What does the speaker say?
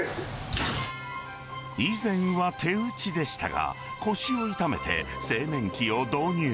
以前は手打ちでしたが、腰を痛めて製麺機を導入。